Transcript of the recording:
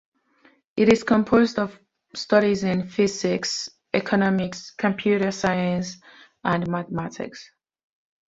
It is composed of studies in Physics, Economics, Computer Science and Mathematics.